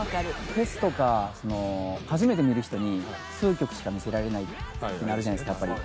フェスとか初めて見る人に数曲しか見せられないってなるじゃないですかやっぱり。